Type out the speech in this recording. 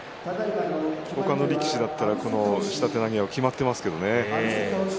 他の力士だったら下手投げはきまっていますけどね。